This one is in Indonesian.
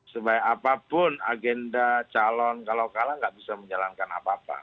sebaik apapun agenda calon kalau kalah nggak bisa menjalankan apa apa